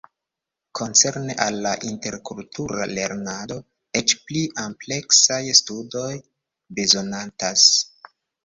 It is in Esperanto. Koncerne al la interkultura lernado eĉ pli ampleksaj studoj bezonatas.